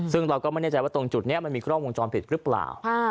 ซึ่งเราก็ไม่แน่ใจว่าตรงจุดนี้มันมีกล้องวงจรปิดหรือเปล่า